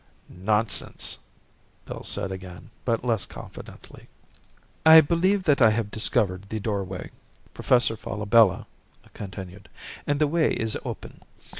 "Nonsense," Bill said again, but less confidently. "I believe that I have discovered the Doorway," Professor Falabella continued, "and the Way is Open.